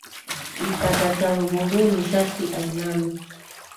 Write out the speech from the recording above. Mtaka cha mvunguni sharti ainame.